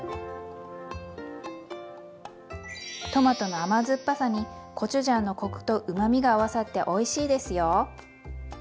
トマトの甘酸っぱさにコチュジャンのコクとうまみが合わさっておいしいですよ。